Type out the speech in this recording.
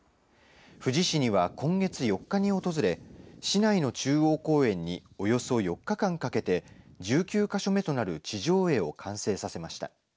富士市には今月４日に訪れ市内の中央公園におよそ４日間かけて１９か所目となる地上絵を完成させました。